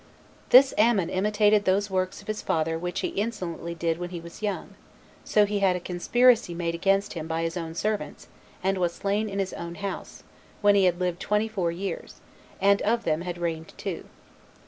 1. This Amon imitated those works of his father which he insolently did when he was young: so he had a conspiracy made against him by his own servants, and was slain in his own house, when he had lived twenty four years, and of them had reigned two.